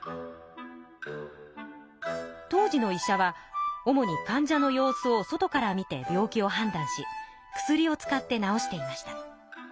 当時の医者は主にかん者の様子を外から見て病気を判断し薬を使って治していました。